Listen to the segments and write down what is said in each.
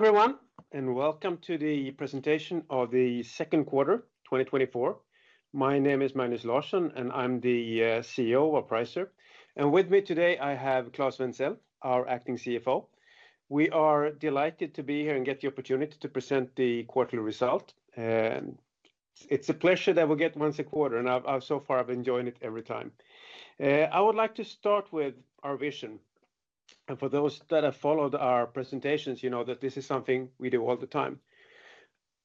Hello, everyone, and welcome to the presentation of the second quarter, 2024. My name is Magnus Larsson, and I'm the CEO of Pricer. And with me today, I have Claes Wenthzel, our acting CFO. We are delighted to be here and get the opportunity to present the quarterly result. And it's a pleasure that we get once a quarter, and I've so far enjoyed it every time. I would like to start with our vision, and for those that have followed our presentations, you know that this is something we do all the time.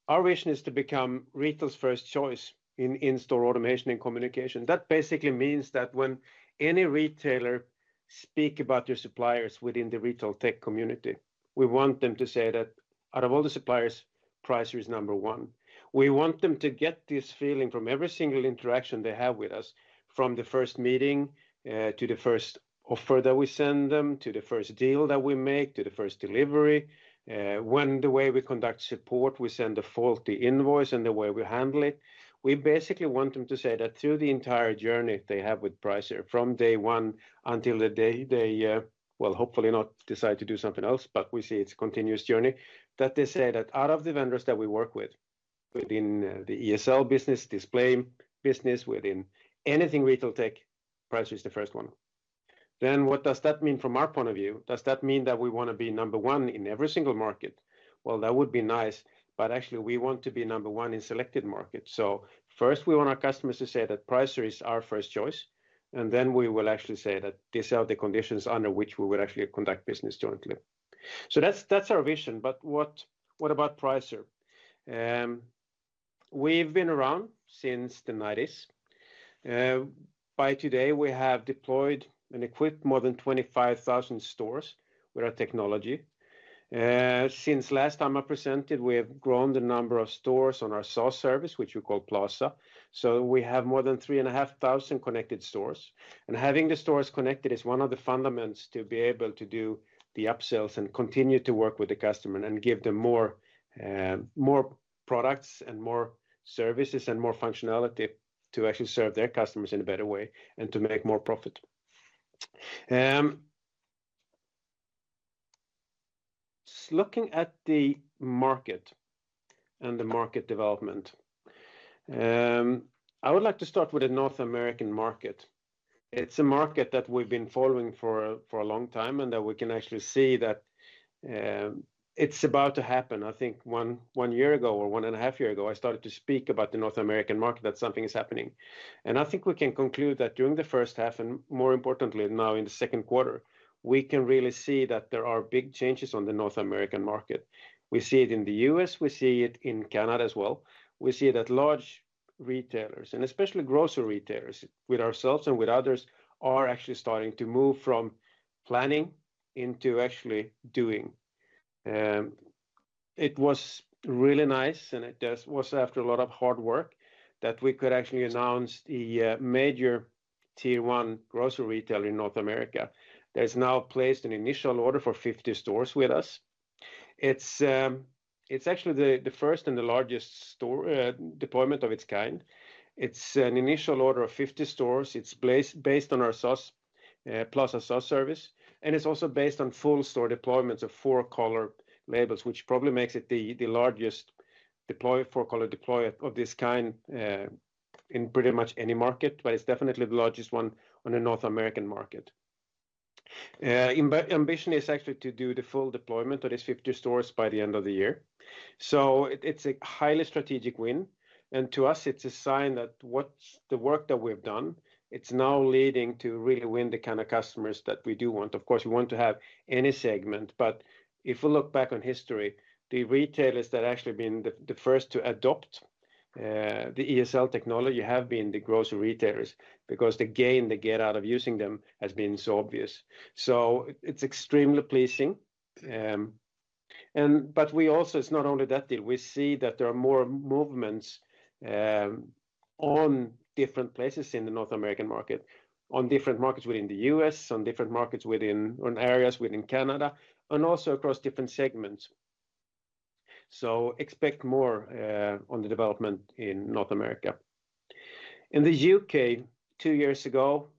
Our vision is to become retail's first choice in in-store automation and communication. That basically means that when any retailer speak about their suppliers within the retail tech community, we want them to say that out of all the suppliers, Pricer is number one. We want them to get this feeling from every single interaction they have with us, from the first meeting, to the first offer that we send them, to the first deal that we make, to the first delivery, when the way we conduct support, we send a faulty invoice and the way we handle it. We basically want them to say that through the entire journey they have with Pricer, from day one until the day they, well, hopefully not decide to do something else, but we see it's a continuous journey, that they say that out of the vendors that we work with, within the ESL business, display business, within anything retail tech, Pricer is the first one. Then what does that mean from our point of view? Does that mean that we wanna be number one in every single market? Well, that would be nice, but actually, we want to be number one in selected markets. So first, we want our customers to say that Pricer is our first choice, and then we will actually say that these are the conditions under which we will actually conduct business jointly. So that's our vision. But what about Pricer? We've been around since the 1990s. By today, we have deployed and equipped more than 25,000 stores with our technology. Since last time I presented, we have grown the number of stores on our SaaS service, which we call Plaza. So we have more than 3,500 connected stores. Having the stores connected is one of the fundamentals to be able to do the upsells and continue to work with the customer and give them more, more products and more services and more functionality to actually serve their customers in a better way and to make more profit. Looking at the market and the market development, I would like to start with the North American market. It's a market that we've been following for a long time, and that we can actually see that it's about to happen. I think one year ago or one and a half year ago, I started to speak about the North American market, that something is happening. I think we can conclude that during the first half, and more importantly, now in the second quarter, we can really see that there are big changes on the North American market. We see it in the U.S., we see it in Canada as well. We see that large retailers, and especially grocery retailers, with ourselves and with others, are actually starting to move from planning into actually doing. It was really nice, and it was after a lot of hard work, that we could actually announce the major Tier 1 grocery retailer in North America that has now placed an initial order for 50 stores with us. It's actually the first and the largest store deployment of its kind. It's an initial order of 50 stores. It's Plaza-based on our SaaS, Plaza SaaS service, and it's also based on full store deployments of four color labels, which probably makes it the largest four color deploy of this kind in pretty much any market, but it's definitely the largest one on the North American market. Ambition is actually to do the full deployment of these 50 stores by the end of the year. So it's a highly strategic win, and to us, it's a sign that what's the work that we've done, it's now leading to really win the kind of customers that we do want. Of course, we want to have any segment, but if we look back on history, the retailers that actually been the first to adopt the ESL technology have been the grocery retailers, because the gain they get out of using them has been so obvious. So it's extremely pleasing, and but we also- it's not only that deal. We see that there are more movements on different places in the North American market, on different markets within the U.S., on different markets within- on areas within Canada, and also across different segments. So expect more on the development in North America. In the U.K., two years ago,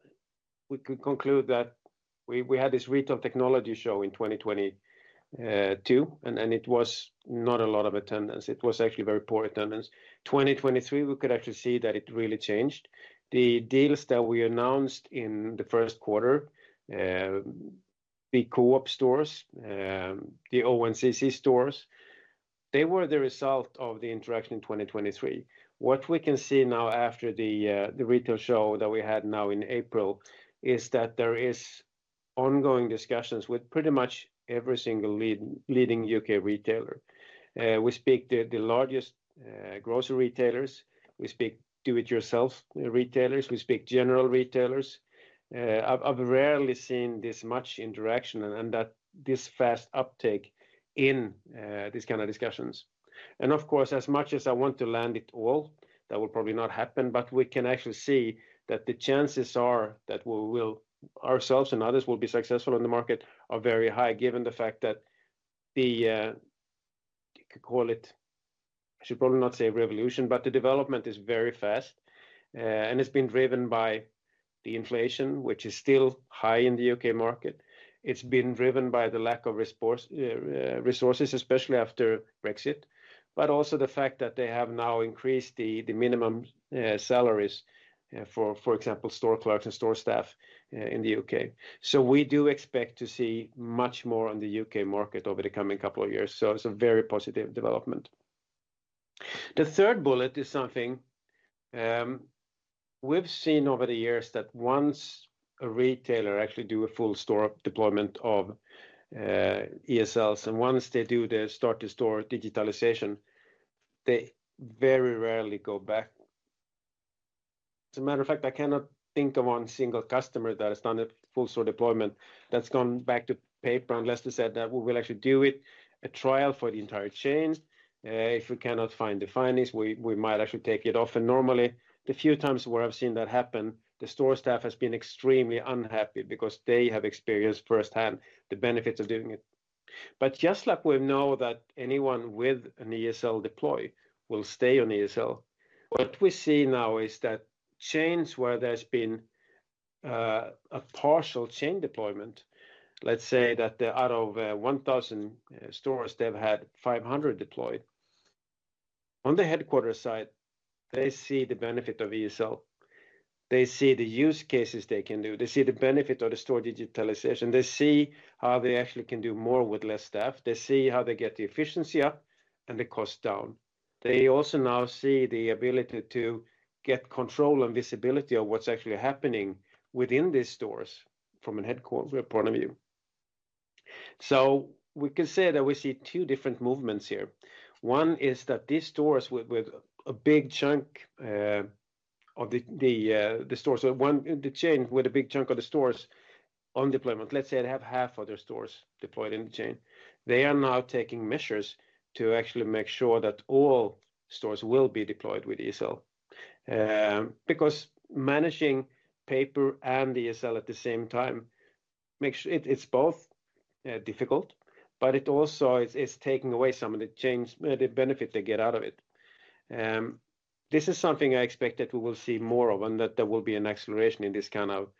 we could conclude that we had this retail technology show in 2022, and it was not a lot of attendance. It was actually very poor attendance. 2023, we could actually see that it really changed. The deals that we announced in the first quarter, the Co-op stores, the O&CC stores, they were the result of the interaction in 2023. What we can see now after the retail show that we had now in April is that there is ongoing discussions with pretty much every single leading U.K. retailer. We speak to the largest grocery retailers, we speak do-it-yourself retailers, we speak general retailers. I've rarely seen this much interaction and that this fast uptake in these kind of discussions. And of course, as much as I want to land it all, that will probably not happen, but we can actually see that the chances are that we will, ourselves and others, will be successful in the market are very high, given the fact that you could call it, I should probably not say revolution, but the development is very fast. And it's been driven by the inflation, which is still high in the U.K. market. It's been driven by the lack of resources, especially after Brexit, but also the fact that they have now increased the minimum salaries for, for example, store clerks and store staff in the U.K. So we do expect to see much more on the U.K. market over the coming couple of years. So it's a very positive development. The third bullet is something we've seen over the years that once a retailer actually do a full store deployment of ESLs, and once they do the store-to-store digitalization, they very rarely go back. As a matter of fact, I cannot think of one single customer that has done a full store deployment that's gone back to paper and less than said that we will actually do it, a trial for the entire chain. If we cannot find the findings, we might actually take it off. And normally, the few times where I've seen that happen, the store staff has been extremely unhappy because they have experienced firsthand the benefits of doing it. But just like we know that anyone with an ESL deploy will stay on ESL, what we see now is that chains where there's been a partial chain deployment, let's say that out of 1,000 stores, they've had 500 deployed. On the headquarters side, they see the benefit of ESL. They see the use cases they can do, they see the benefit of the store digitalization, they see how they actually can do more with less staff. They see how they get the efficiency up and the cost down. They also now see the ability to get control and visibility of what's actually happening within these stores from a headquarter point of view. So we can say that we see two different movements here. One is that the chain with a big chunk of the stores on deployment, let's say they have half of their stores deployed in the chain. They are now taking measures to actually make sure that all stores will be deployed with ESL. Because managing paper and ESL at the same time makes it both difficult, but it also is taking away some of the chain's benefit they get out of it. This is something I expect that we will see more of, and that there will be an acceleration in this kind of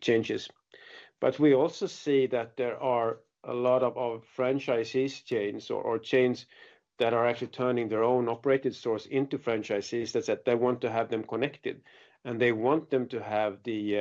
changes. But we also see that there are a lot of franchisees chains or chains that are actually turning their own operated stores into franchisees, that they want to have them connected, and they want them to have the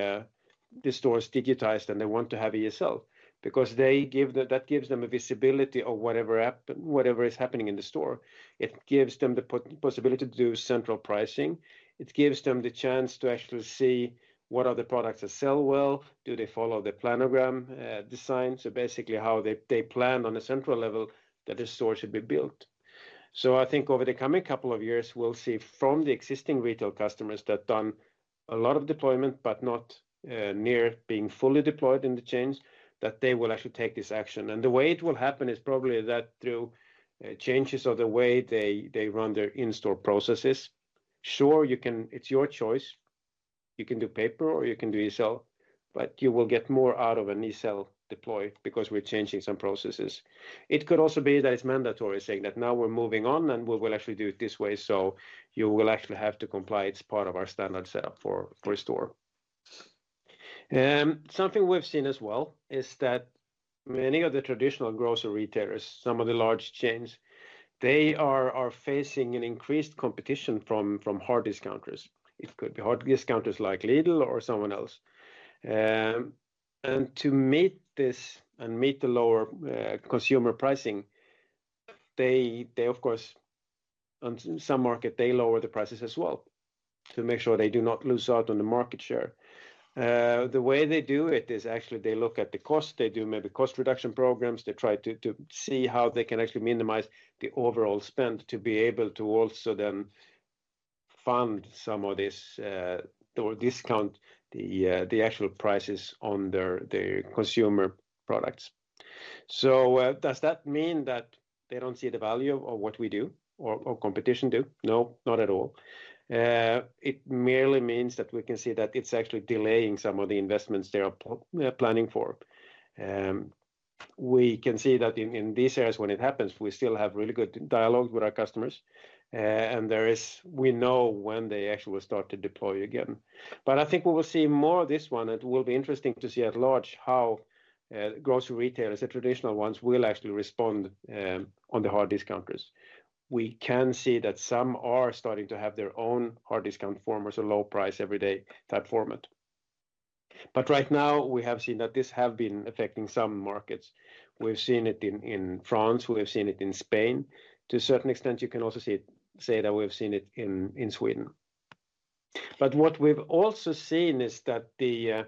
stores digitized, and they want to have ESL. Because that gives them a visibility of whatever is happening in the store. It gives them the possibility to do central pricing. It gives them the chance to actually see what other products that sell well. Do they follow the planogram design? So basically, how they plan on a central level that the store should be built. So I think over the coming couple of years, we'll see from the existing retail customers that done a lot of deployment, but not near being fully deployed in the chains, that they will actually take this action. And the way it will happen is probably that through changes of the way they, they run their in-store processes. Sure, you can... It's your choice. You can do paper or you can do ESL, but you will get more out of an ESL deploy because we're changing some processes. It could also be that it's mandatory, saying that, "Now we're moving on, and we will actually do it this way, so you will actually have to comply. It's part of our standard setup for a store." Something we've seen as well is that many of the traditional grocery retailers, some of the large chains, they are facing an increased competition from hard discounters. It could be hard discounters like Lidl or someone else. And to meet this and meet the lower consumer pricing, they, of course, on some market, they lower the prices as well, to make sure they do not lose out on the market share. The way they do it is actually they look at the cost, they do maybe cost reduction programs. They try to see how they can actually minimize the overall spend to be able to also then fund some of this, or discount the actual prices on their consumer products. So, does that mean that they don't see the value of what we do or competition do? No, not at all. It merely means that we can see that it's actually delaying some of the investments they are planning for. We can see that in these areas, when it happens, we still have really good dialogue with our customers. And we know when they actually will start to deploy again. But I think we will see more of this one, and it will be interesting to see at large how grocery retailers, the traditional ones, will actually respond on the hard discounters. We can see that some are starting to have their own hard discount form or low price every day type format. But right now, we have seen that this have been affecting some markets. We've seen it in France, we've seen it in Spain. To a certain extent, you can also see it—say that we've seen it in Sweden. But what we've also seen is that the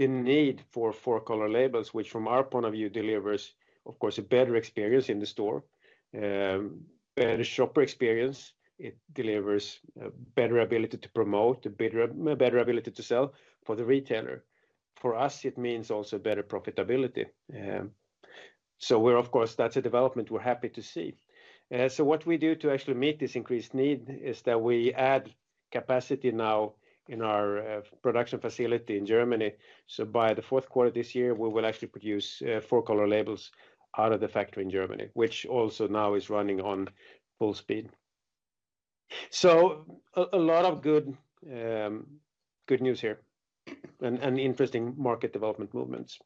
need for four-color labels, which from our point of view, delivers, of course, a better experience in the store, better shopper experience. It delivers a better ability to promote, a better ability to sell for the retailer. For us, it means also better profitability. Of course, that's a development we're happy to see. So what we do to actually meet this increased need is that we add capacity now in our production facility in Germany. So by the fourth quarter this year, we will actually produce four-color labels out of the factory in Germany, which also now is running on full speed. So a lot of good news here, and interesting market development movements.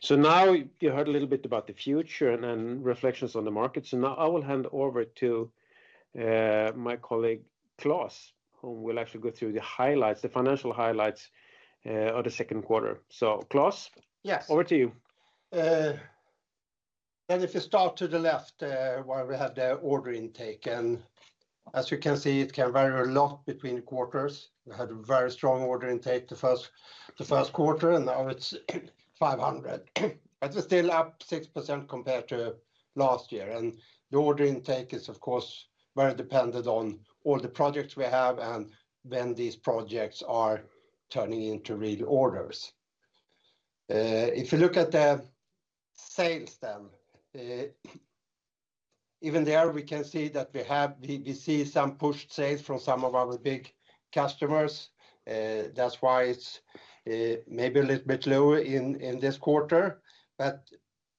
So now you heard a little bit about the future and then reflections on the market. So now I will hand over to my colleague, Claes, who will actually go through the highlights, the financial highlights of the second quarter. So Claes? Yes. Over to you. And if you start to the left, where we have the order intake, and as you can see, it can vary a lot between quarters. We had a very strong order intake the first quarter, and now it's 500. But it's still up 6% compared to last year, and the order intake is, of course, very dependent on all the projects we have and when these projects are turning into real orders. If you look at the sales then, even there we can see that we see some pushed sales from some of our big customers. That's why it's maybe a little bit lower in this quarter, but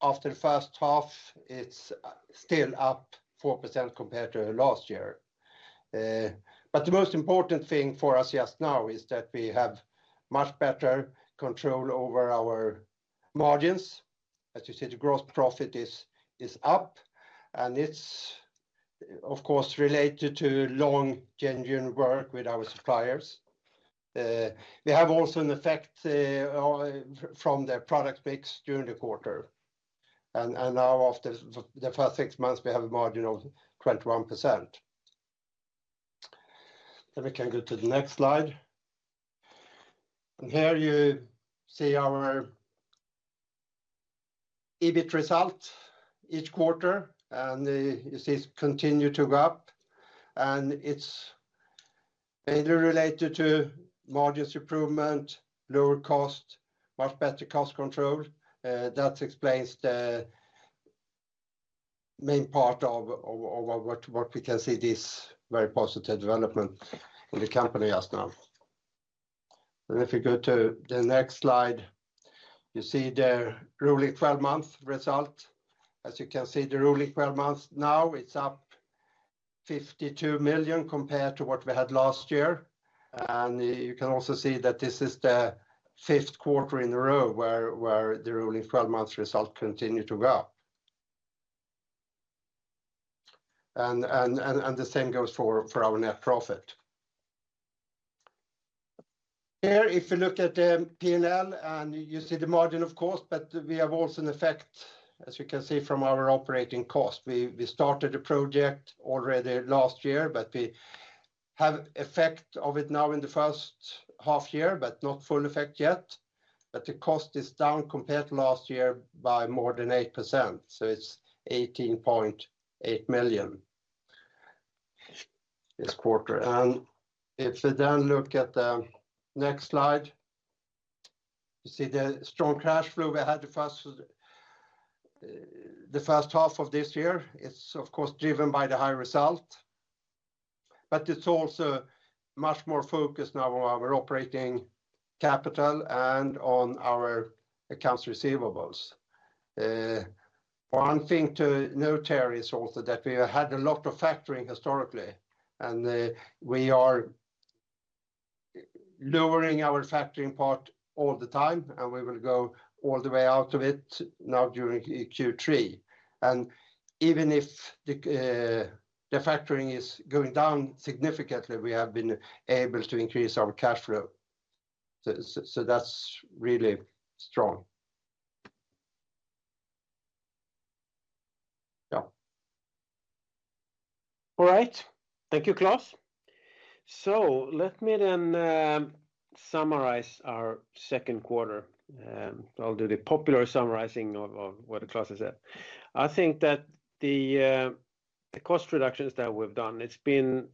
after the first half, it's still up 4% compared to last year. But the most important thing for us just now is that we have much better control over our margins. As you see, the gross profit is up, and it's, of course, related to long, genuine work with our suppliers. We have also an effect from the product mix during the quarter, and now after the first six months, we have a margin of 21%. Then we can go to the next slide. Here you see our EBIT result each quarter, and it continues to go up, and it's mainly related to margins improvement, lower cost, much better cost control. That explains the main part of what we can see this very positive development in the company just now. And if you go to the next slide, you see the rolling twelve-month result. As you can see, the rolling twelve months now, it's up 52 million compared to what we had last year. And you can also see that this is the 5th quarter in a row where the rolling twelve months result continue to go up. And the same goes for our net profit. Here, if you look at the PNL, and you see the margin, of course, but we have also an effect, as you can see, from our operating cost. We started a project already last year, but we have effect of it now in the first half year, but not full effect yet. But the cost is down compared to last year by more than 8%, so it's 18.8 million this quarter. And if you then look at the next slide, you see the strong cash flow we had the first, the first half of this year. It's of course driven by the high result, but it's also much more focused now on our operating capital and on our accounts receivables. One thing to note here is also that we had a lot of factoring historically, and we are lowering our factoring part all the time, and we will go all the way out of it now during Q3. And even if the, the factoring is going down significantly, we have been able to increase our cash flow. So that's really strong. Yeah. All right. Thank you, Claes. So let me then summarize our second quarter. I'll do the popular summarizing of what Claes said. I think that the cost reductions that we've done, it's been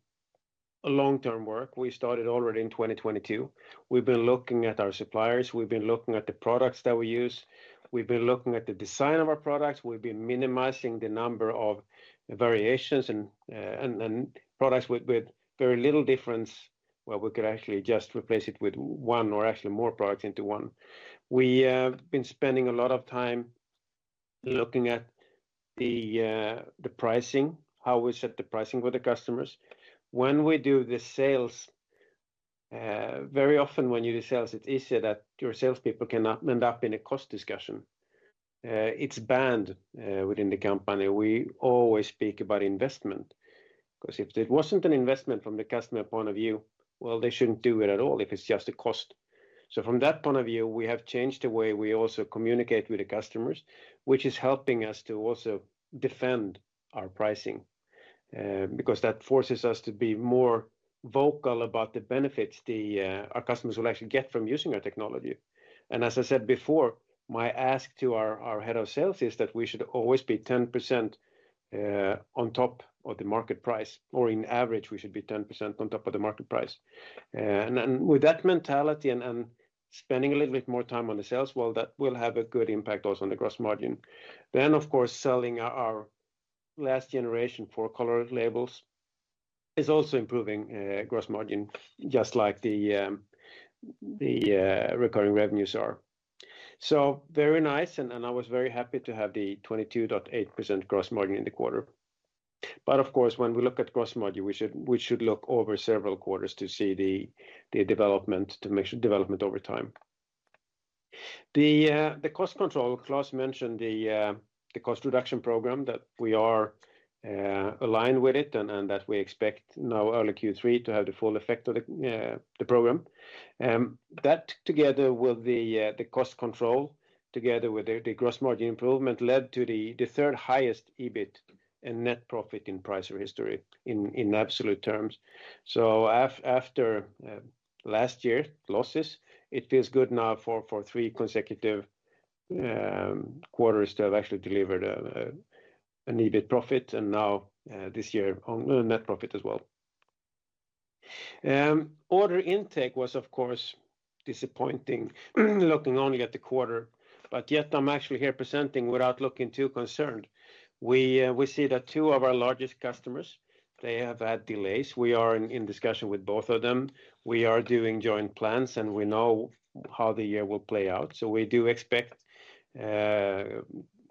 a long-term work. We started already in 2022. We've been looking at our suppliers, we've been looking at the products that we use, we've been looking at the design of our products, we've been minimizing the number of variations and products with very little difference, where we could actually just replace it with one or actually more products into one. We have been spending a lot of time looking at the pricing, how we set the pricing with the customers. When we do the sales, very often when you do sales, it's easier that your salespeople can end up in a cost discussion. It's banned within the company. We always speak about investment, 'cause if it wasn't an investment from the customer point of view, well, they shouldn't do it at all if it's just a cost. So from that point of view, we have changed the way we also communicate with the customers, which is helping us to also defend our pricing, because that forces us to be more vocal about the benefits our customers will actually get from using our technology. And as I said before, my ask to our head of sales is that we should always be 10% on top of the market price, or on average, we should be 10% on top of the market price. And then with that mentality and spending a little bit more time on the sales, well, that will have a good impact also on the gross margin. Then, of course, selling last generation four color labels is also improving gross margin, just like the recurring revenues are. So very nice, and I was very happy to have the 22.8% gross margin in the quarter. But of course, when we look at gross margin, we should look over several quarters to see the development, to make sure development over time. The cost control, Claes mentioned the cost reduction program, that we are aligned with it, and that we expect now early Q3 to have the full effect of the program. That together with the cost control, together with the gross margin improvement, led to the third highest EBIT and net profit in Pricer history in absolute terms. So after last year losses, it feels good now for three consecutive quarters to have actually delivered an EBIT profit, and now this year on net profit as well. Order intake was, of course, disappointing, looking only at the quarter, but yet I'm actually here presenting without looking too concerned. We see that two of our largest customers, they have had delays. We are in discussion with both of them. We are doing joint plans, and we know how the year will play out. So we do expect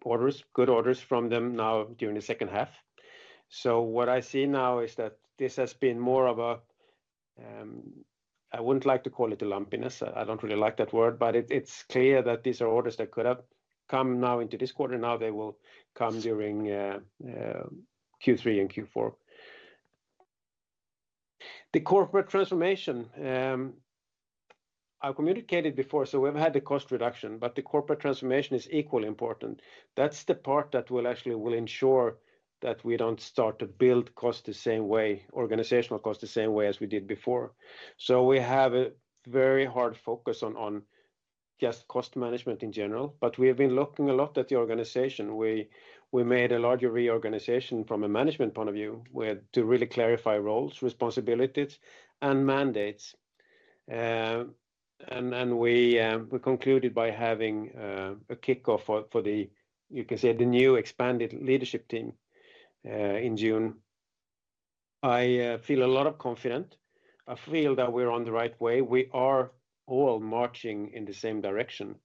orders, good orders from them now during the second half. So what I see now is that this has been more of a, I wouldn't like to call it a lumpiness. I don't really like that word, but it, it's clear that these are orders that could have come now into this quarter. Now they will come during Q3 and Q4. The corporate transformation I communicated before, so we've had the cost reduction, but the corporate transformation is equally important. That's the part that will actually will ensure that we don't start to build cost the same way, organizational cost the same way as we did before. So we have a very hard focus on just cost management in general, but we have been looking a lot at the organization. We made a larger reorganization from a management point of view, where to really clarify roles, responsibilities, and mandates. And we concluded by having a kickoff for the, you can say, the new expanded leadership team in June. I feel a lot of confident. I feel that we're on the right way. We are all marching in the same direction.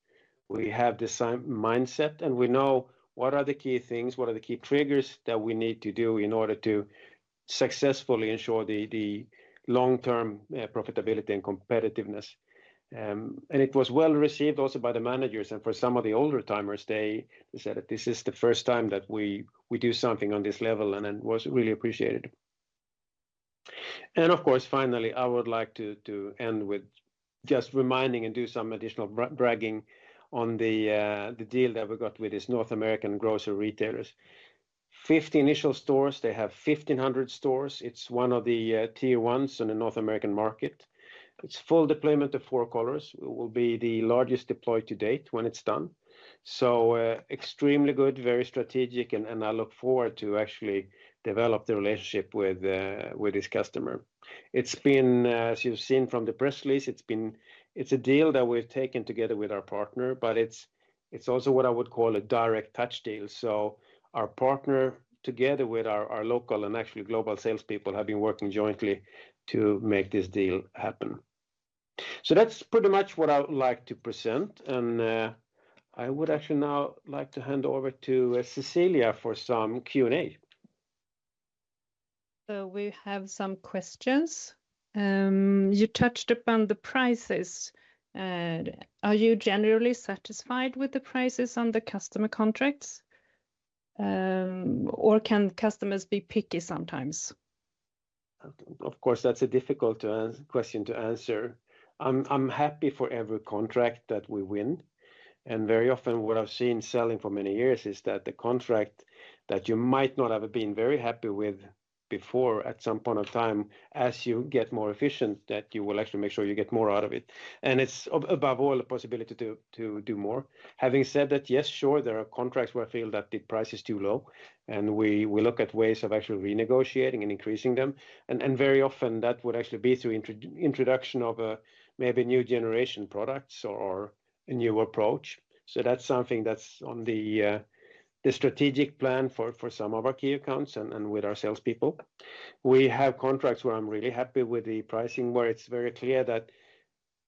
We have the same mindset, and we know what are the key things, what are the key triggers that we need to do in order to successfully ensure the long-term profitability and competitiveness. And it was well-received also by the managers, and for some of the older timers, they said that this is the first time that we do something on this level, and it was really appreciated. Of course, finally, I would like to end with just reminding and do some additional bragging on the deal that we got with this North American grocery retailers. 50 initial stores, they have 1,500 stores. It's one of the Tier 1s in the North American market. Its full deployment of four colors will be the largest deployed to date when it's done. So, extremely good, very strategic, and I look forward to actually develop the relationship with this customer. It's been, as you've seen from the press release, it's been. It's a deal that we've taken together with our partner, but it's also what I would call a direct touch deal. So our partner, together with our local and actually global salespeople, have been working jointly to make this deal happen. That's pretty much what I would like to present, and I would actually now like to hand over to Cecilia for some Q&A. We have some questions. You touched upon the prices. Are you generally satisfied with the prices on the customer contracts, or can customers be picky sometimes? Of course, that's a difficult-to-answer question to answer. I'm happy for every contract that we win, and very often, what I've seen selling for many years is that the contract that you might not have been very happy with before, at some point of time, as you get more efficient, that you will actually make sure you get more out of it. And it's above all a possibility to do more. Having said that, yes, sure, there are contracts where I feel that the price is too low, and we look at ways of actually renegotiating and increasing them. And very often, that would actually be through introduction of a maybe new generation products or a new approach. So that's something that's on the strategic plan for some of our key accounts and with our salespeople. We have contracts where I'm really happy with the pricing, where it's very clear that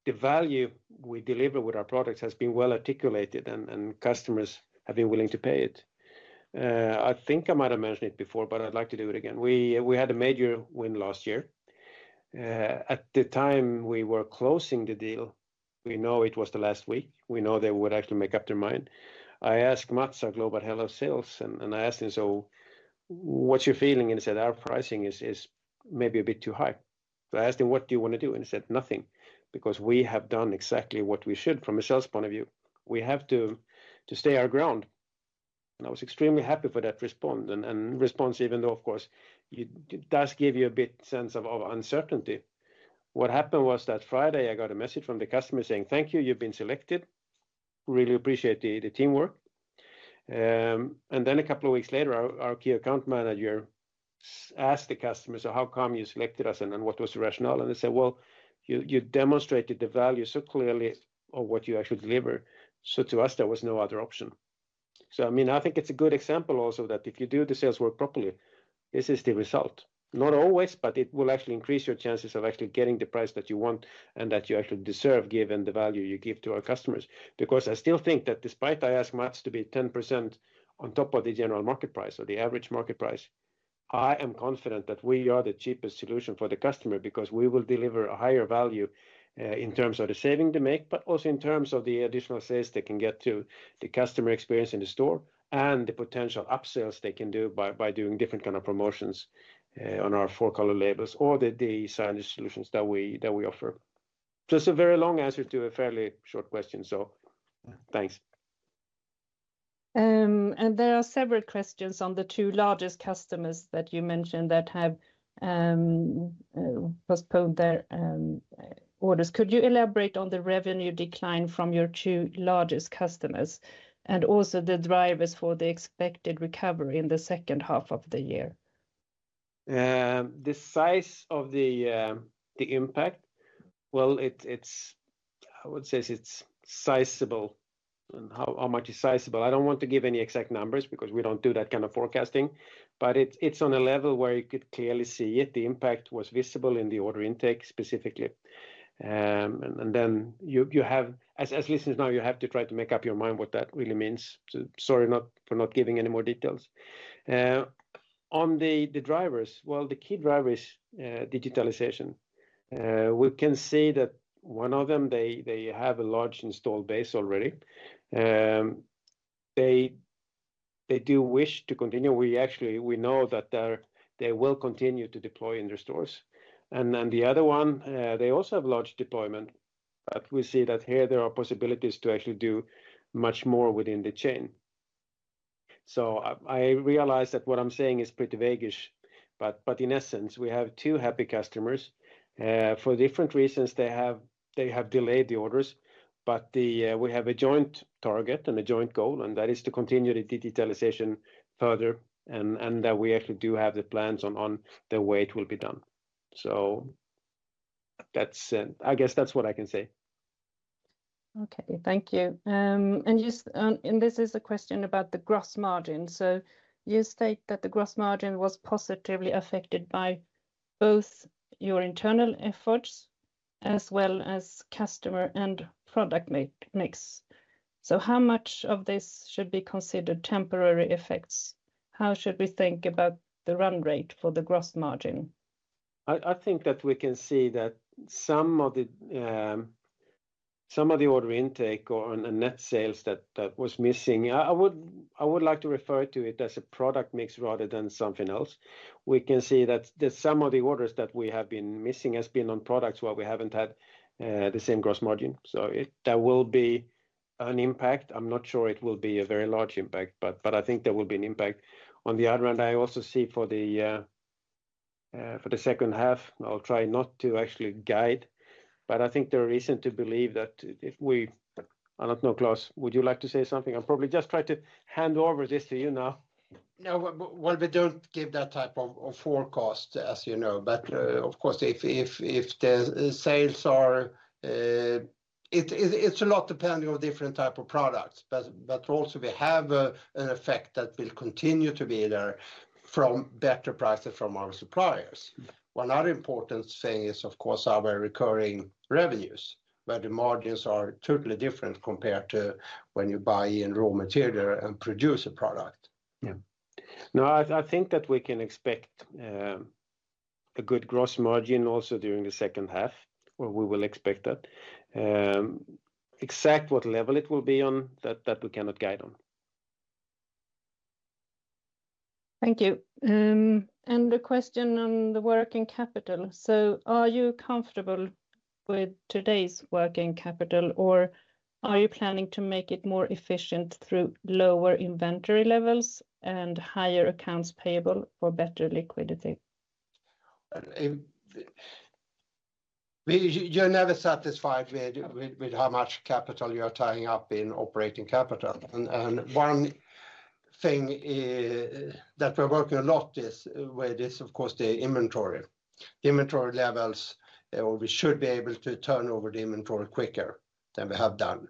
the value we deliver with our products has been well articulated, and customers have been willing to pay it. I think I might have mentioned it before, but I'd like to do it again. We had a major win last year. At the time we were closing the deal, we know it was the last week. We know they would actually make up their mind. I asked Mats, our Global Head of Sales, and I asked him, "So what's your feeling?" And he said, "Our pricing is maybe a bit too high." So I asked him, "What do you want to do?" And he said, "Nothing, because we have done exactly what we should from a sales point of view. We have to stay our ground." And I was extremely happy for that response, even though, of course, it does give you a bit of a sense of uncertainty. What happened was that Friday, I got a message from the customer saying, "Thank you, you've been selected. Really appreciate the teamwork." And then a couple of weeks later, our key account manager ask the customers, so how come you selected us, and then what was the rationale? And they say, "Well, you demonstrated the value so clearly of what you actually deliver, so to us, there was no other option." So I mean, I think it's a good example also that if you do the sales work properly, this is the result. Not always, but it will actually increase your chances of actually getting the price that you want and that you actually deserve, given the value you give to our customers. Because I still think that despite I ask Mats to be 10% on top of the general market price or the average market price, I am confident that we are the cheapest solution for the customer, because we will deliver a higher value in terms of the saving they make, but also in terms of the additional sales they can get to the customer experience in the store, and the potential upsells they can do by doing different kind of promotions on our four color labels or the signage solutions that we offer. Just a very long answer to a fairly short question, so thanks. And there are several questions on the two largest customers that you mentioned that have postponed their orders. Could you elaborate on the revenue decline from your two largest customers, and also the drivers for the expected recovery in the second half of the year? The size of the impact, well, it's, I would say it's sizable. And how much is sizable? I don't want to give any exact numbers because we don't do that kind of forecasting, but it's on a level where you could clearly see it. The impact was visible in the order intake specifically. And then you have... As listeners now, you have to try to make up your mind what that really means, so sorry for not giving any more details. On the drivers, well, the key driver is digitalization. We can say that one of them, they have a large installed base already. They do wish to continue. We actually know that they will continue to deploy in their stores. And then the other one, they also have large deployment, but we see that here there are possibilities to actually do much more within the chain. So I, I realize that what I'm saying is pretty vague-ish, but, but in essence, we have two happy customers. For different reasons, they have, they have delayed the orders, but the, we have a joint target and a joint goal, and that is to continue the digitalization further, and, and that we actually do have the plans on, on the way it will be done. So that's, I guess that's what I can say. Okay, thank you. And just this is a question about the gross margin. So you state that the gross margin was positively affected by both your internal efforts as well as customer and product mix. So how much of this should be considered temporary effects? How should we think about the run rate for the gross margin? I think that we can see that some of the order intake or and net sales that was missing, I would like to refer to it as a product mix rather than something else. We can see that some of the orders that we have been missing has been on products where we haven't had the same gross margin, so there will be an impact. I'm not sure it will be a very large impact, but I think there will be an impact. On the other hand, I also see for the second half, I'll try not to actually guide, but I think there are reason to believe that if we, I don't know, Claes, would you like to say something? I'll probably just try to hand over this to you now. No, well, we don't give that type of forecast, as you know. But, of course, if the sales are... It's a lot depending on different type of products, but also we have an effect that will continue to be there from better prices from our suppliers. One other important thing is, of course, our recurring revenues, where the margins are totally different compared to when you buy in raw material and produce a product. Yeah. No, I think that we can expect a good gross margin also during the second half, or we will expect that. Exact what level it will be on, that we cannot guide on. Thank you. A question on the working capital: so are you comfortable with today's working capital, or are you planning to make it more efficient through lower inventory levels and higher accounts payable for better liquidity? You're never satisfied with how much capital you are tying up in operating capital. One thing that we're working a lot with is, of course, the inventory. Inventory levels, we should be able to turn over the inventory quicker than we have done,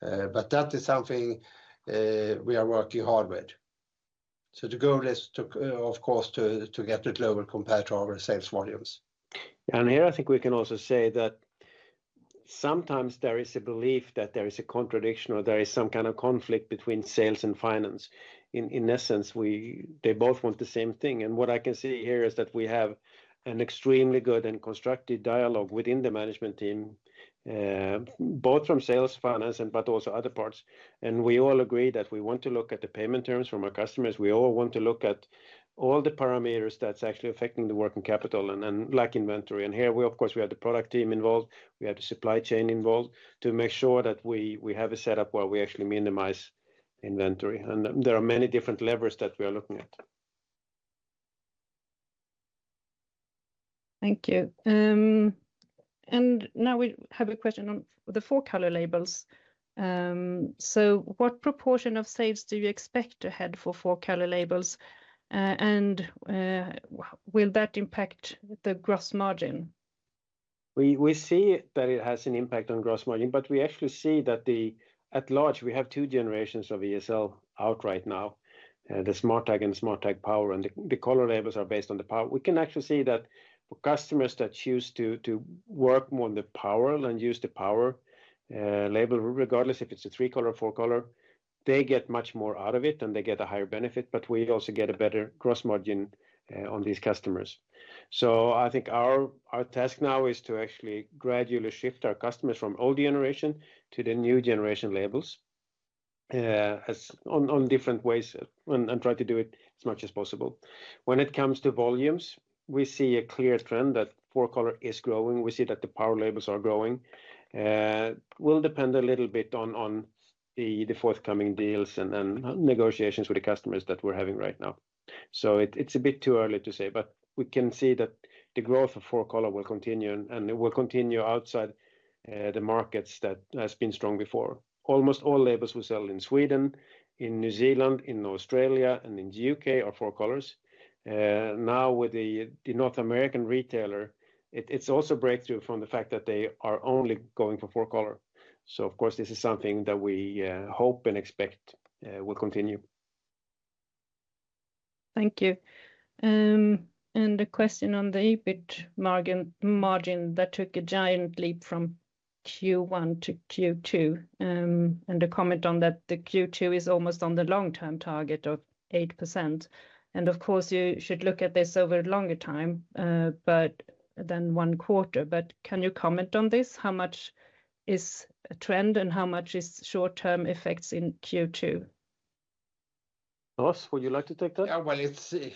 but that is something we are working hard with. So the goal is, of course, to get it lower compared to our sales volumes. Here I think we can also say that sometimes there is a belief that there is a contradiction or there is some kind of conflict between sales and finance. In essence, they both want the same thing, and what I can see here is that we have an extremely good and constructive dialogue within the management team, both from sales, finance, and but also other parts. We all agree that we want to look at the payment terms from our customers. We all want to look at all the parameters that's actually affecting the working capital and like inventory. And here we, of course, have the product team involved, we have the supply chain involved, to make sure that we have a setup where we actually minimize inventory. And there are many different levers that we are looking at.... Thank you. Now we have a question on the four-color labels. So what proportion of sales do you expect to head for four-color labels? Will that impact the gross margin? We see that it has an impact on gross margin, but we actually see that, at large, we have two generations of ESL out right now, the SmartTAG and SmartTAG Power, and the color labels are based on the Power. We can actually see that for customers that choose to work more on the Power and use the Power label, regardless if it's a three-color or four-color, they get much more out of it, and they get a higher benefit, but we also get a better gross margin on these customers. So I think our task now is to actually gradually shift our customers from old generation to the new generation labels, as on different ways, and try to do it as much as possible. When it comes to volumes, we see a clear trend that four-color is growing. We see that the Power labels are growing. It will depend a little bit on the forthcoming deals and then negotiations with the customers that we're having right now. So it's a bit too early to say, but we can see that the growth of four-color will continue, and it will continue outside the markets that has been strong before. Almost all labels we sell in Sweden, in New Zealand, in Australia, and in the UK are four colors. Now, with the North American retailer, it's also a breakthrough from the fact that they are only going for four color. So of course, this is something that we hope and expect will continue. Thank you. And the question on the EBIT margin that took a giant leap from Q1 to Q2. And the comment on that, the Q2 is almost on the long-term target of 8%. And of course, you should look at this over a longer time, but not one quarter, but can you comment on this? How much is a trend, and how much is short-term effects in Q2? Claes, would you like to take that? Yeah,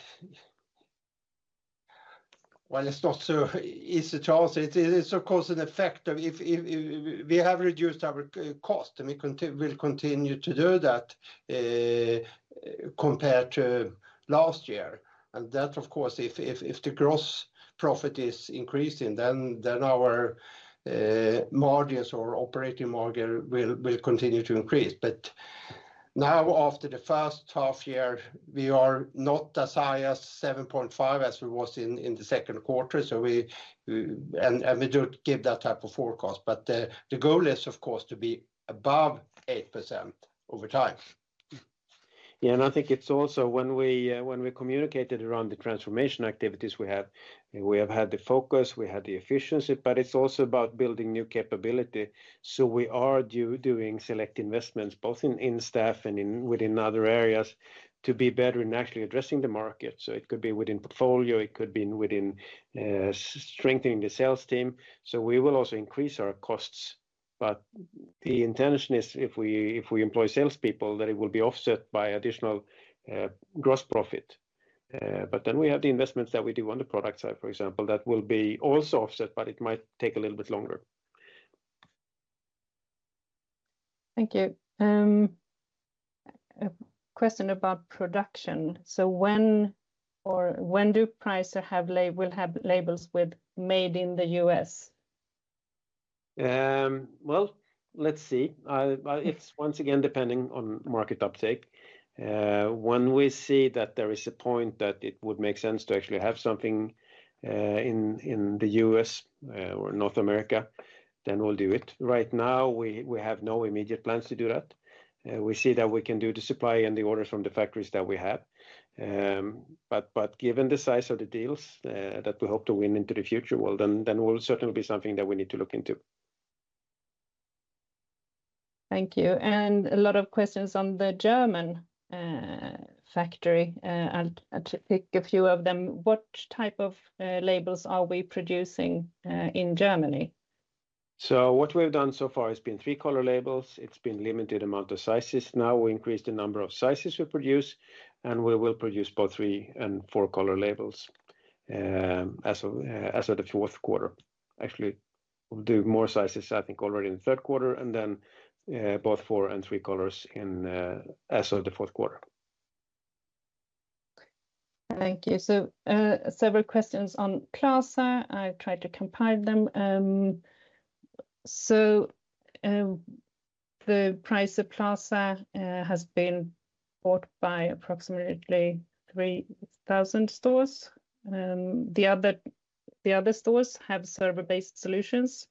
well, it's not so easy to answer. It's, of course, an effect of if we have reduced our cost, and we will continue to do that compared to last year. And that, of course, if the gross profit is increasing, then our margins or operating margin will continue to increase. But now, after the first half year, we are not as high as 7.5% as we was in the second quarter, so we and we don't give that type of forecast. But the goal is, of course, to be above 8% over time. Yeah, and I think it's also when we, when we communicated around the transformation activities we have, we have had the focus, we had the efficiency, but it's also about building new capability. So we are doing select investments, both in staff and within other areas, to be better in actually addressing the market. So it could be within portfolio, it could be within strengthening the sales team. So we will also increase our costs. But the intention is if we, if we employ salespeople, that it will be offset by additional gross profit. But then we have the investments that we do on the product side, for example, that will be also offset, but it might take a little bit longer. Thank you. A question about production: So when will Pricer have labels with Made in the U.S.? Well, let's see. Well, it's once again, depending on market uptake. When we see that there is a point that it would make sense to actually have something, in, in the U.S., or North America, then we'll do it. Right now, we, we have no immediate plans to do that. We see that we can do the supply and the orders from the factories that we have. But, but given the size of the deals, that we hope to win into the future, well, then, then will certainly be something that we need to look into. Thank you. A lot of questions on the German factory. I'll pick a few of them. What type of labels are we producing in Germany? So what we've done so far has been three-color labels. It's been limited amount of sizes. Now we increased the number of sizes we produce, and we will produce both three and four-color labels, as of the fourth quarter. Actually, we'll do more sizes, I think, already in the third quarter, and then both four and three colors in, as of the fourth quarter. Thank you. So, several questions on Plaza. I tried to compile them. So, the Pricer Plaza has been bought by approximately 3,000 stores. The other stores have server-based solutions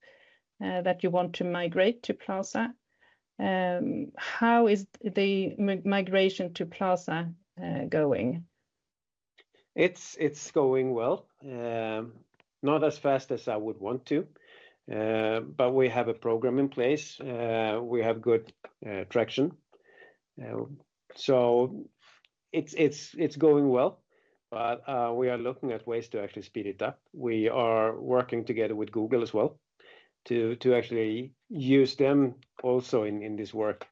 that you want to migrate to Plaza. How is the migration to Plaza going? It's going well. Not as fast as I would want to, but we have a program in place. We have good traction. So it's going well. But we are looking at ways to actually speed it up. We are working together with Google as well, to actually use them also in this work,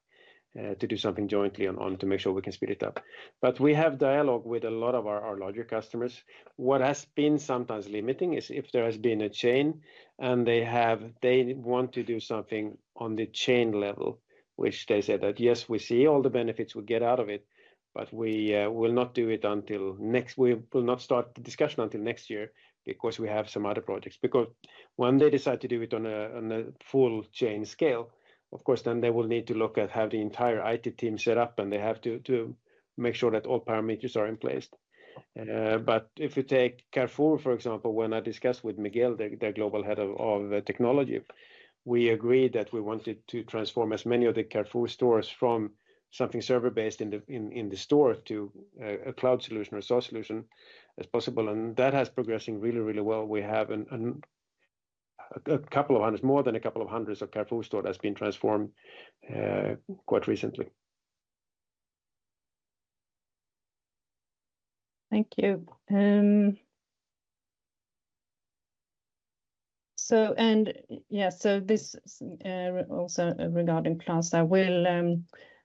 to do something jointly on to make sure we can speed it up. But we have dialogue with a lot of our larger customers. What has been sometimes limiting is if there has been a chain, and they want to do something on the chain level, which they say that, "Yes, we see all the benefits we get out of it, but we will not do it until next year - we will not start the discussion until next year, because we have some other projects." Because when they decide to do it on a full chain scale, of course, then they will need to look at how the entire IT team set up, and they have to make sure that all parameters are in place. But if you take Carrefour, for example, when I discussed with Miguel, the global head of technology, we agreed that we wanted to transform as many of the Carrefour stores from something server-based in the store to a cloud solution or SaaS solution as possible, and that has progressing really, really well. We have a couple of hundred, more than a couple of hundreds of Carrefour store that's been transformed quite recently. Thank you. So, also regarding Plaza,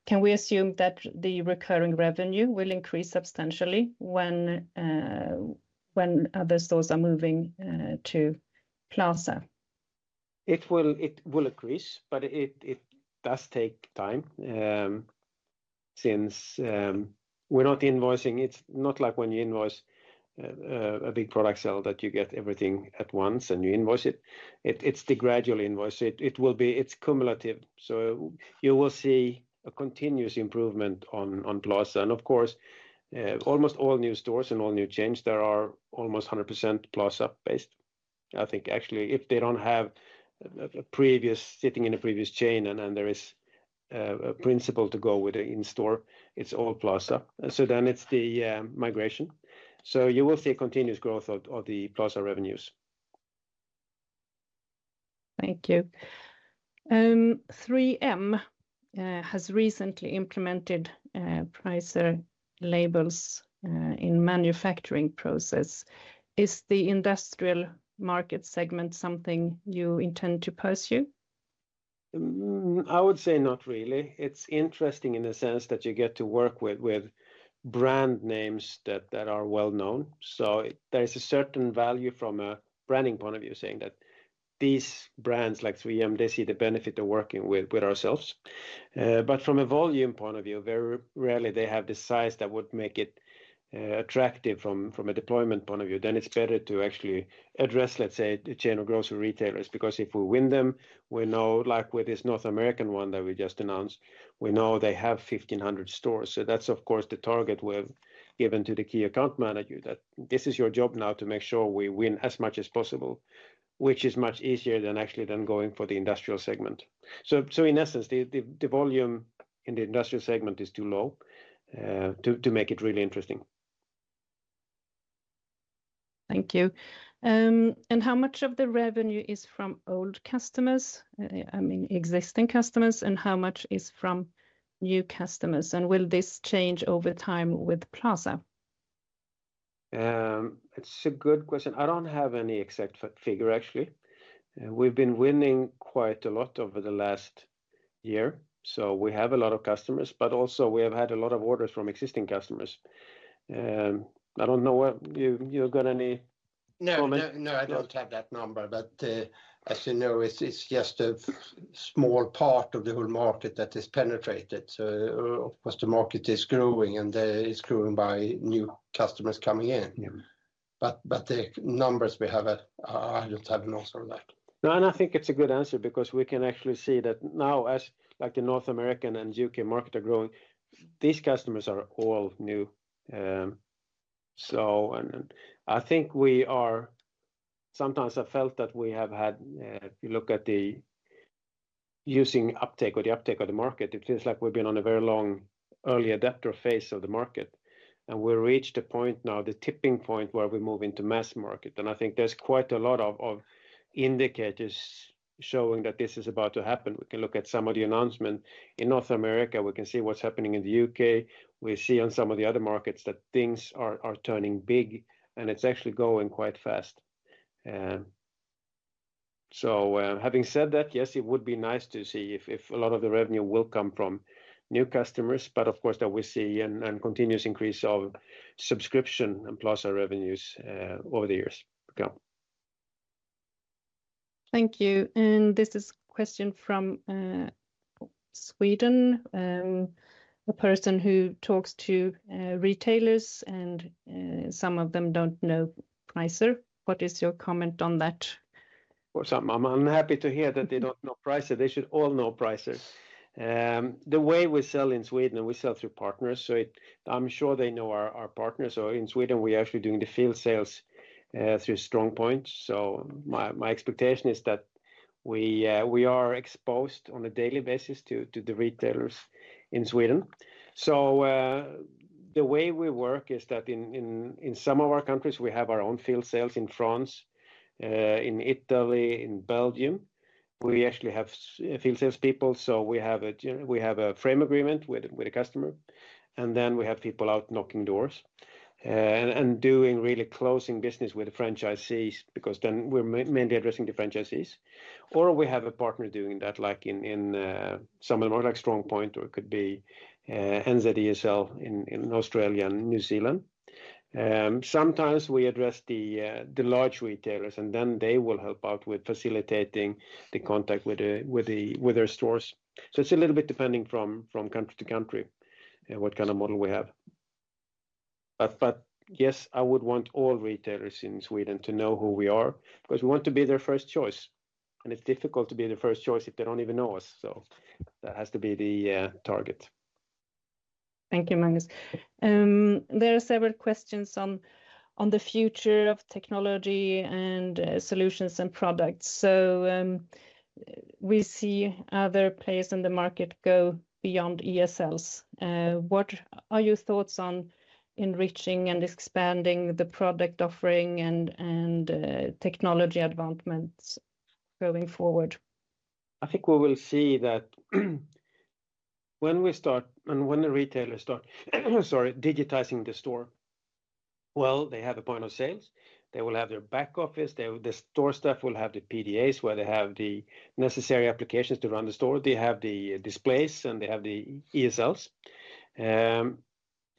can we assume that the recurring revenue will increase substantially when other stores are moving to Plaza? It will increase, but it does take time. Since we're not invoicing, it's not like when you invoice a big product sale, that you get everything at once and you invoice it. It's the gradual invoice. It will be- it's cumulative, so you will see a continuous improvement on Plaza. And of course, almost all new stores and all new chains, there are almost 100% Plaza-based. I think, actually, if they don't have a previous- sitting in a previous chain, and then there is a principle to go with the in-store, it's all Plaza. So then it's the migration. So you will see a continuous growth of the Plaza revenues. Thank you. 3M has recently implemented Pricer labels in manufacturing process. Is the industrial market segment something you intend to pursue? I would say not really. It's interesting in the sense that you get to work with brand names that are well-known. So there is a certain value from a branding point of view, saying that these brands, like 3M, they see the benefit of working with ourselves. But from a volume point of view, very rarely they have the size that would make it attractive from a deployment point of view. Then it's better to actually address, let's say, the chain of grocery retailers, because if we win them, we know, like with this North American one that we just announced, we know they have 1,500 stores. So that's, of course, the target we've given to the key account manager, that this is your job now to make sure we win as much as possible, which is much easier than actually going for the industrial segment. So in essence, the volume in the industrial segment is too low to make it really interesting. Thank you. And how much of the revenue is from old customers, I mean, existing customers, and how much is from new customers? And will this change over time with Plaza? It's a good question. I don't have any exact figure, actually. We've been winning quite a lot over the last year, so we have a lot of customers, but also we have had a lot of orders from existing customers. I don't know whether you, you got any comment? No, no, no, I don't have that number. But, as you know, it's, it's just a small part of the whole market that is penetrated. So of course, the market is growing, and, it's growing by new customers coming in. Yeah. But the numbers we have, I don't have notes on that. No, and I think it's a good answer, because we can actually see that now as, like, the North American and UK markets are growing, these customers are all new. So and, and I think we are... Sometimes I felt that we have had, if you look at the uptake of the market, it feels like we've been on a very long early adopter phase of the market. And we've reached a point now, the tipping point, where we move into mass market. And I think there's quite a lot of, of indicators showing that this is about to happen. We can look at some of the announcement in North America, we can see what's happening in the UK. We see on some of the other markets that things are, are turning big, and it's actually going quite fast. So, having said that, yes, it would be nice to see if a lot of the revenue will come from new customers, but of course, that we see and continuous increase of subscription and Plaza revenues over the years to come. Thank you. This is a question from a person in Sweden who talks to retailers, and some of them don't know Pricer. What is your comment on that? Well, so I'm happy to hear that they don't know Pricer. They should all know Pricer. The way we sell in Sweden, and we sell through partners, so I'm sure they know our partners. So in Sweden, we're actually doing the field sales through StrongPoint. So my expectation is that we are exposed on a daily basis to the retailers in Sweden. So the way we work is that in some of our countries, we have our own field sales. In France, in Italy, in Belgium, we actually have field sales people, so we have a frame agreement with the customer, and then we have people out knocking doors. And doing really closing business with the franchisees, because then we're mainly addressing the franchisees. Or we have a partner doing that, like someone more like StrongPoint, or it could be NZESL in Australia and New Zealand. Sometimes we address the large retailers, and then they will help out with facilitating the contact with their stores. So it's a little bit depending from country to country what kind of model we have. But yes, I would want all retailers in Sweden to know who we are, because we want to be their first choice, and it's difficult to be the first choice if they don't even know us. So that has to be the target. Thank you, Magnus. There are several questions on the future of technology and solutions and products. So, we see other players in the market go beyond ESLs. What are your thoughts on enriching and expanding the product offering and technology advancements going forward? I think we will see that when we start, and when the retailers start, sorry, digitizing the store, well, they have a point of sales. They will have their back office, they... The store staff will have the PDAs, where they have the necessary applications to run the store. They have the displays, and they have the ESLs.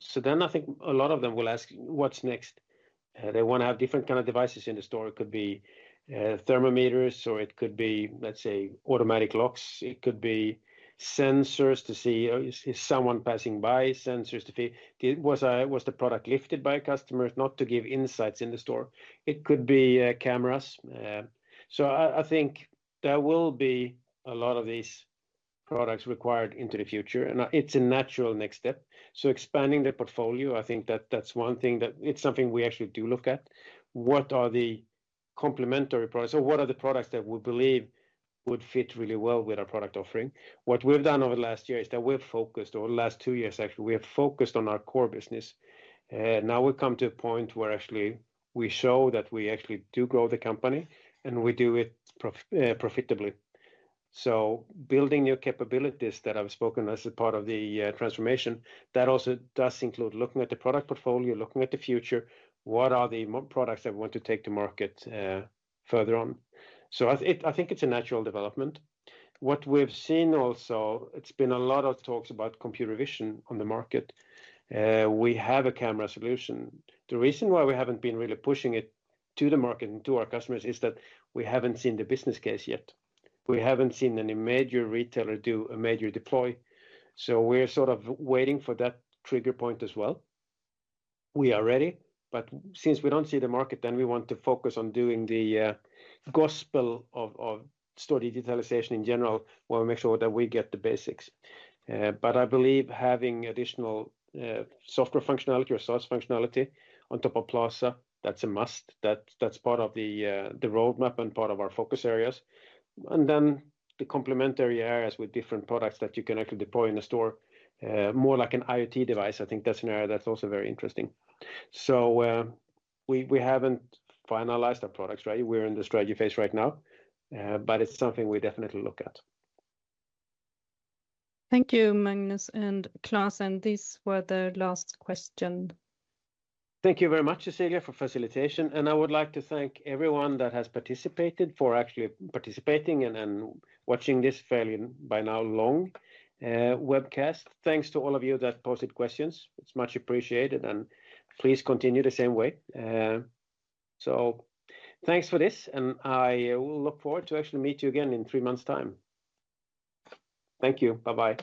So then I think a lot of them will ask: "What's next?" They wanna have different kind of devices in the store. It could be thermometers, or it could be, let's say, automatic locks. It could be sensors to see is someone passing by, sensors to see was the product lifted by a customer, not to give insights in the store. It could be cameras. So I think there will be a lot of these products required into the future, and it's a natural next step. So expanding the portfolio, I think that that's one thing that it's something we actually do look at. What are the complementary products, or what are the products that we believe would fit really well with our product offering? What we've done over the last year is that we're focused, or the last two years, actually, we are focused on our core business. Now we've come to a point where actually we show that we actually do grow the company, and we do it profitably. So building new capabilities that I've spoken as a part of the transformation, that also does include looking at the product portfolio, looking at the future. What are the products that we want to take to market further on? So I think it's a natural development. What we've seen also, it's been a lot of talks about computer vision on the market. We have a camera solution. The reason why we haven't been really pushing it to the market and to our customers is that we haven't seen the business case yet. We haven't seen any major retailer do a major deploy, so we're sort of waiting for that trigger point as well. We are ready, but since we don't see the market, then we want to focus on doing the gospel of store digitalization in general, while we make sure that we get the basics. But I believe having additional software functionality or source functionality on top of Pricer Plaza, that's a must. That, that's part of the, the roadmap and part of our focus areas. And then the complementary areas with different products that you can actually deploy in a store, more like an IoT device, I think that's an area that's also very interesting. So, we, we haven't finalized our products, right? We're in the strategy phase right now, but it's something we definitely look at. Thank you, Magnus and Claes, and these were the last question. Thank you very much, Cecilia, for facilitation, and I would like to thank everyone that has participated, for actually participating and watching this fairly by now long webcast. Thanks to all of you that posted questions. It's much appreciated, and please continue the same way. So thanks for this, and I will look forward to actually meet you again in three months' time. Thank you. Bye-bye.